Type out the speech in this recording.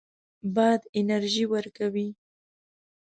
باد انرژي ورکوي.